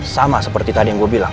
sama seperti tadi yang gue bilang